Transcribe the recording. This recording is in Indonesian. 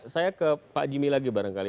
saya ke pak jimmy lagi barangkali